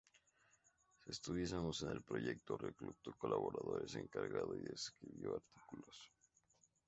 Se entusiasmó con el proyecto, reclutó colaboradores, encargó y escribió artículos.